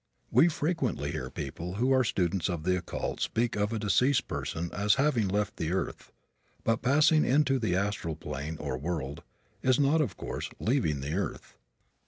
We frequently hear people who are students of the occult speak of a deceased person as having left the earth. But passing into the astral plane, or world, is not, of course, leaving the earth.